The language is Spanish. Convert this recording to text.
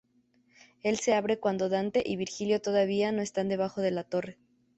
El se abre cuando Dante y Virgilio todavía no están debajo de la torre.